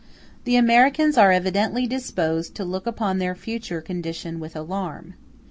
The Americans are evidently disposed to look upon their future condition with alarm.